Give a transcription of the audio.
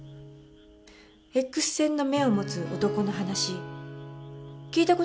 Ｘ線の目を持つ男の話聞いた事ありますか？